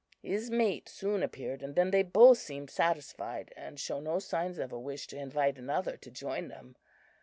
His mate soon appeared and then they both seemed satisfied, and showed no signs of a wish to invite another to join them.